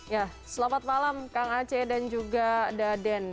ya selamat malam kang aceh dan juga daden